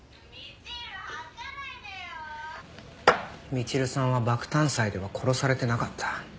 みちるさんは爆誕祭では殺されてなかった。